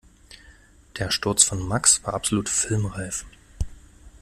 Der Sturz von Max war absolut filmreif.